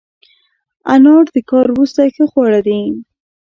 انار د کار وروسته ښه خواړه دي.